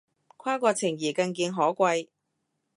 跨國情誼更見可貴